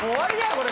これ。